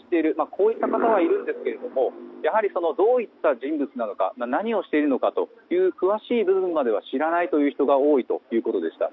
こういった方はいるんですがやはり、どういった人物なのか何をしているのかという詳しい部分までは知らないという人が多いということでした。